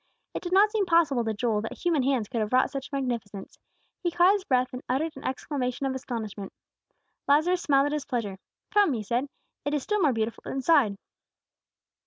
It did not seem possible to Joel that human hands could have wrought such magnificence. He caught his breath, and uttered an exclamation of astonishment. Lazarus smiled at his pleasure. "Come," he said, "it is still more beautiful inside."